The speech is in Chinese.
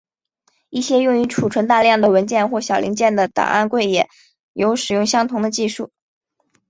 一些用于储存大量的文件或小零件的档案柜也有使用相同的技术。